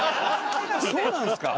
そうなんですか？